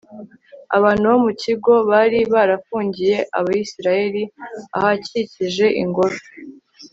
abantu bo mu kigo bari barafungiye abayisraheli ahakikije ingoro